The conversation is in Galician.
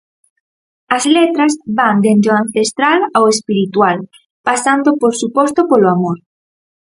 As letras van dende o ancestral ao espiritual, pasando por suposto polo amor.